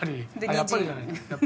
「やっぱり」じゃないね。